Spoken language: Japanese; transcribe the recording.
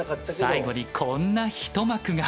最後にこんな一幕が。